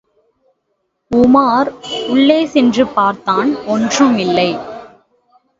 உமார் உள்ளே சென்று பார்த்தான், ஒன்றுமில்லை.